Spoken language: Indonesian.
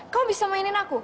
kamu bisa mainin aku